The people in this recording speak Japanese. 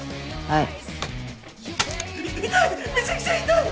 はい。